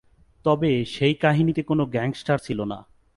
তবে সেই কাহিনীতে কোন গ্যাংস্টার ছিল না।